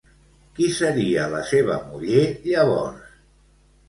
Qui seria la seva muller llavors?